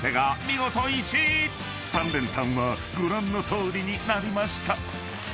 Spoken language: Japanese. ［３連単はご覧のとおりになりました］